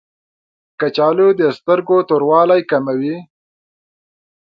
کچالو د سترګو توروالی کموي